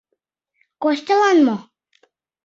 Костялан мо?..